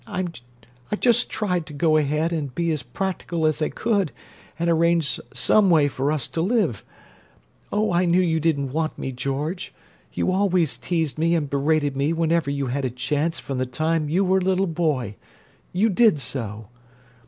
I just tried to go ahead and be as practical as I could, and arrange some way for us to live. Oh, I knew you didn't want me, George! You always teased me and berated me whenever you had a chance from the time you were a little boy—you did so!